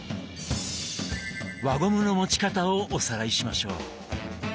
輪ゴムの持ち方をおさらいしましょう。